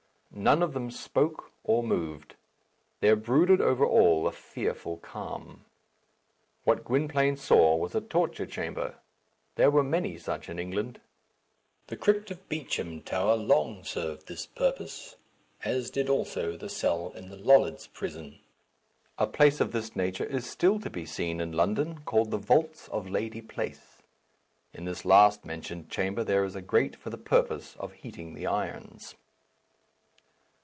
None of them spoke or moved. There brooded over all a fearful calm. What Gwynplaine saw was a torture chamber. There were many such in England. The crypt of Beauchamp Tower long served this purpose, as did also the cell in the Lollards' prison. A place of this nature is still to be seen in London, called "the Vaults of Lady Place." In this last mentioned chamber there is a grate for the purpose of heating the irons.